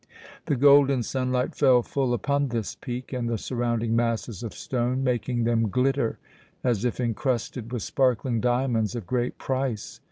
The golden sunlight fell full upon this peak and the surrounding masses of stone, making them glitter as if encrusted with sparkling diamonds of great price.